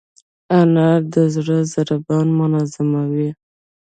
انار د زړه ضربان منظموي.